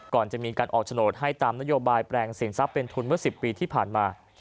ก่อนจะมีการออกโฉนดให้ตามนโยบายแปลงสินทรัพย์เป็นทุนเมื่อ๑๐ปีที่ผ่านมา